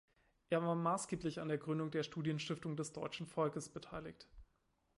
Er war maßgeblich an der Gründung der Studienstiftung des deutschen Volkes beteiligt.